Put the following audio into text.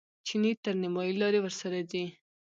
چیني تر نیمایي لارې ورسره ځي.